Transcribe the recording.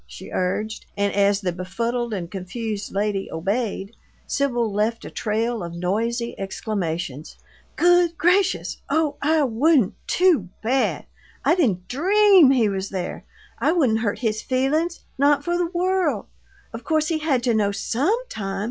she urged, and as the befuddled and confused lady obeyed, Sibyl left a trail of noisy exclamations: "Good gracious! Oh, I wouldn't too bad! I didn't DREAM he was there! I wouldn't hurt his feelings! Not for the world! Of course he had to know SOME time!